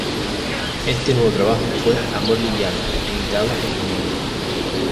Este nuevo trabajo fue "Amor Liviano", editado en noviembre.